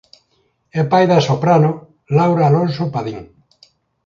É pai da soprano Laura Alonso Padín.